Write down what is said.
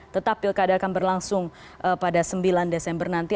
tetap pilkada akan berlangsung pada sembilan desember nanti